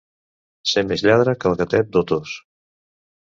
Ser més lladre que el gatet d'Otos.